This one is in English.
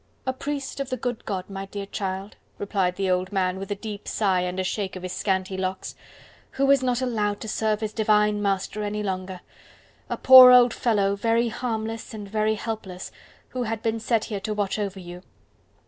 "A priest of the good God, my dear child," replied the old man with a deep sigh and a shake of his scanty locks, "who is not allowed to serve his divine Master any longer. A poor old fellow, very harmless and very helpless, who had been set here to watch over you.